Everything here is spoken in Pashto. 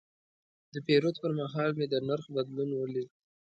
د پیرود پر مهال مې د نرخ بدلون ولید.